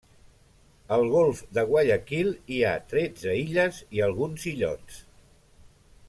Al golf de Guayaquil hi ha tretze illes i alguns illots.